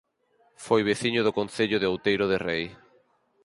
Foi veciño do Concello de Outeiro de Rei